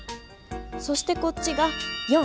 そしてこっちが４。